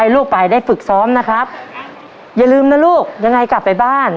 ลูกไปได้ฝึกซ้อมนะครับอย่าลืมนะลูกยังไงกลับไปบ้าน